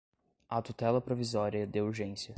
à tutela provisória de urgência